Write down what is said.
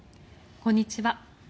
こんにちは。